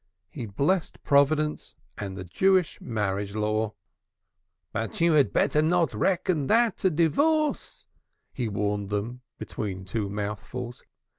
He blessed Providence and the Jewish Marriage Law. "But you had better not reckon that a divorce," he warned them between two mouthfuls.